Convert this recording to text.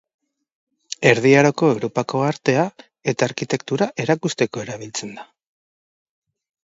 Erdi Aroko Europako artea eta arkitektura erakusteko erabiltzen da.